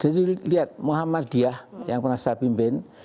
jadi lihat muhammadiyah yang pernah saya pimpin